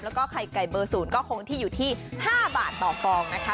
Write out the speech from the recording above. แล้วก็ไข่ไก่เบอร์๐ก็คงที่อยู่ที่๕บาทต่อฟองนะคะ